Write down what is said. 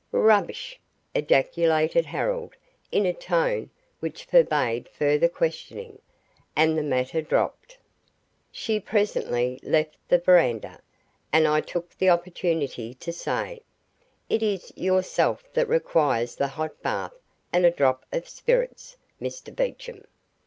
"Rubbish!" ejaculated Harold in a tone which forbade further questioning, and the matter dropped. She presently left the veranda, and I took the opportunity to say, "It is yourself that requires the hot bath and a drop of spirits, Mr Beecham."